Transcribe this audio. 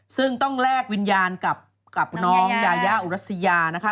ซึ่งต้องแลกวิญญาณกับน้องยายาอุรัสยานะคะ